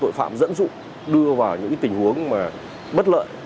tội phạm dẫn dụ đưa vào những tình huống bất lợi